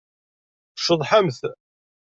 Tceḍḥemt.